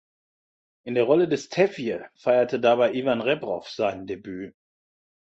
In der Rolle des Tevje feierte dabei Ivan Rebroff sein Debüt.